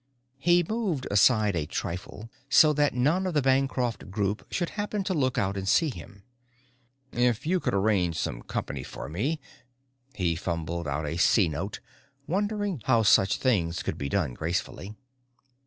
He moved aside a trifle so that none of the Bancroft group should happen to look out and see him. "If you could arrange some company for me...." He fumbled out a C note, wondering just how such things could be done gracefully.